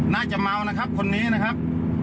น่าจะเมานะครับคนนี้นะครับ